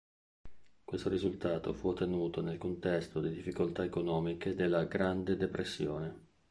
Questo risultato fu ottenuto nel contesto di difficoltà economiche della Grande Depressione.